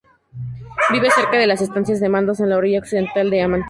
Vive cerca de las estancias de Mandos, en la orilla occidental de Aman.